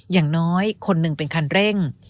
อย่างน้อยคนหนึ่งเป็นคันเร่ง